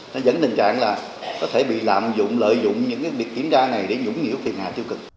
nó vẫn tình trạng là có thể bị lạm dụng lợi dụng những việc kiểm tra này để dũng nhiễu phiền hạ tiêu cực